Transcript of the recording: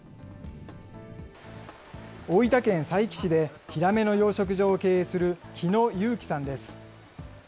大分県佐伯市でヒラメの養殖場を経営する木野雄貴さんです。